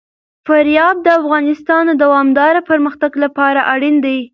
فاریاب د افغانستان د دوامداره پرمختګ لپاره اړین دي.